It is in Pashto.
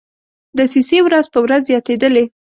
دسیسې ورځ په ورځ زیاتېدلې.